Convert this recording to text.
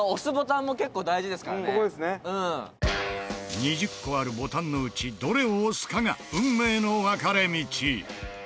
２０個あるボタンのうちどれを押すかが運命の分かれ道。